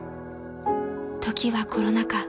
［時はコロナ禍］